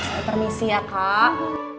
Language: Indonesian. saya permisi ya kak